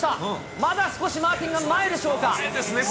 まだ少しマーティンが前でしょうか。